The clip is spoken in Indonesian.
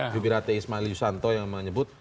jubir hti ismail yusanto yang menyebut